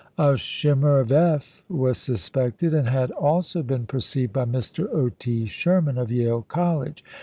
A shimmer of F was suspected, and had also been perceived by Mr. O. T. Sherman of Yale College.